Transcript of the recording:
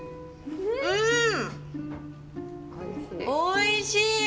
おいしい！